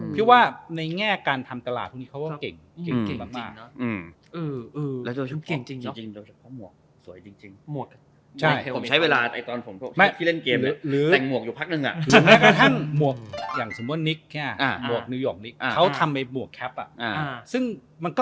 คิดว่าในแง่การทำตลาดเพื่อนอย่างนี้เค้าต้องเก่งมาก